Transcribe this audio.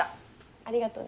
ありがとうね。